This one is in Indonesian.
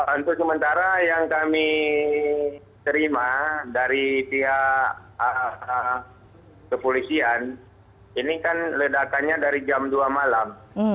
untuk sementara yang kami terima dari pihak kepolisian ini kan ledakannya dari jam dua malam